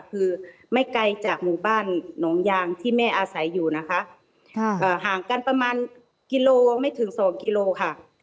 คือไม่ไกลจากหมู่บ้านหนองยางที่แม่อาศัยอยู่นะคะห่างกันประมาณกิโลไม่ถึงสองกิโลค่ะ